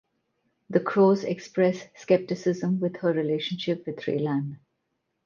The Crowes express skepticism with her relationship with Raylan.